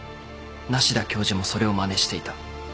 梨多教授もそれをまねしていた。